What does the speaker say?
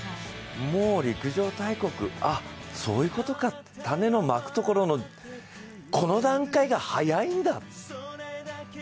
もう陸上大国、ああ、そういうことか、種のまくところの、この段階が早いんだ。